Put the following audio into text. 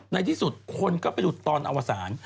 ในที่สุดคนก็ไปดูตอนอวสาร